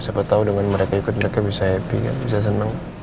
siapa tau dengan mereka ikut mereka bisa happy kan bisa seneng